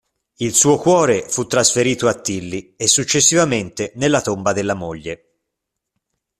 Il suo cuore fu trasferito a Tilly e successivamente nella tomba della moglie.